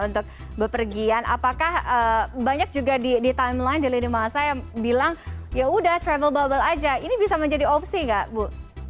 untuk bepergian apakah banyak juga di timeline di lini masa yang bilang yaudah travel bubble aja ini bisa menjadi opsi nggak bu